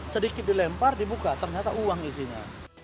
sedikit dilempar dibuka ternyata uang isinya